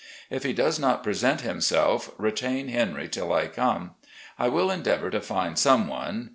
If he does not present himself, retain Henry till I come. I will endeavour to find some one.